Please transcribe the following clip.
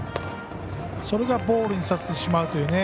それがボールにさせてしまうと。